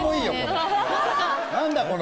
何だ！